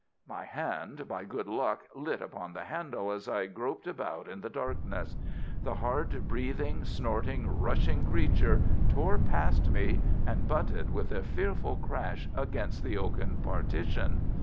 My hand, by good luck, lit upon the handle as I groped about in the darkness. The hard breathing, snorting, rushing creature tore past me and butted with a fearful crash against the oaken partition.